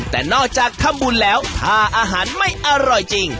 แต่นอกจากทำบุญแล้วถ้าอาหารไม่อร่อยจริง